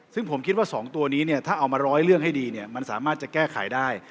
ซึ่งผมคิดว่า๒ตัวนี้เนี่ยถ้าเอามาร้อยเรื่องให้ดีเนี่ยมันสามารถจะแก้ไขได้